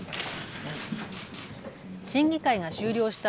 審議会が終了した